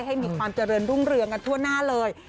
ให้มีความเจริญรุ่งเรืองกันทั่วหน้าเลย